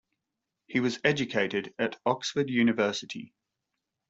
He was educated at Oxford University.